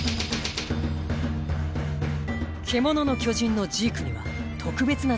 「獣の巨人」のジークには特別な力がありました。